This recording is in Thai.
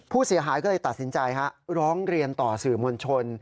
ผู้เสียหายก็เลยตัดสินใจฮะร้องเรียนต่อสื่อมวลชน